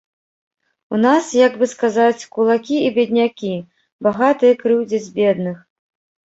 У нас, як бы сказаць, кулакі і беднякі, багатыя крыўдзяць бедных.